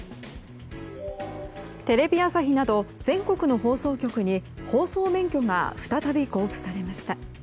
テレビ朝日など全国の放送局に放送免許が再び交付されました。